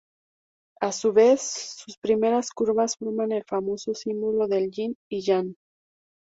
A su vez, sus primeras curvas forman el famoso símbolo del yin y yang.